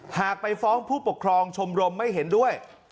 หากไปฟ้องผู้ปกครองชมรมไม่เห็นด้วย